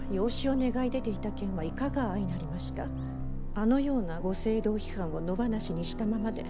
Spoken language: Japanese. あのようなご政道批判を野放しにしたままで。